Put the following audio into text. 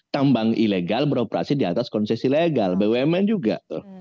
tambang ilegal beroperasi di atas konsesi legal bumn juga